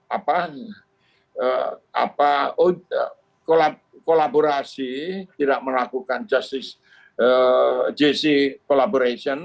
atau kolaborasi tidak melakukan jesi kolaborasi